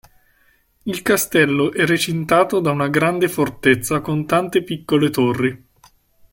Il castello è recintato da una grande fortezza con tante piccole torri.